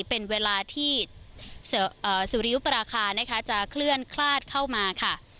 เป็นเวลาที่สุริยุปราคานะคะจะเคลื่อนคลาดเข้ามาค่ะ